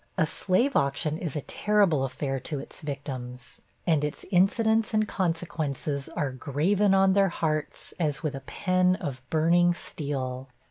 A slave auction is a terrible affair to its victims, and its incidents and consequences are graven on their hearts as with a pen of burning steel.